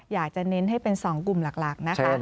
อยากจะเน้นให้เป็น๒กลุ่มหลักนะคะ